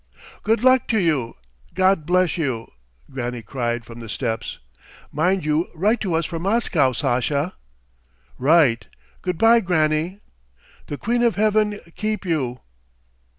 "Good luck to you! God bless you!" Granny cried from the steps. "Mind you write to us from Moscow, Sasha!" "Right. Good bye, Granny." "The Queen of Heaven keep you!"